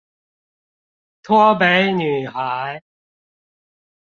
脫北女孩